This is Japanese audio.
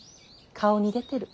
顔に出てる。